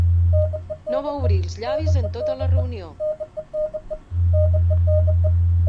No va obrir els llavis en tota la reunió.